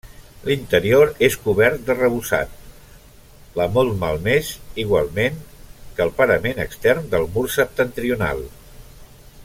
L'interior és cobert d'arrebossat, la molt malmès, igualment que el parament extern del mur septentrional.